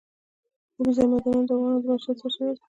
اوبزین معدنونه د افغانانو د معیشت سرچینه ده.